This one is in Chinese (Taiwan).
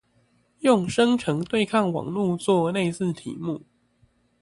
用生成對抗網路做類似題目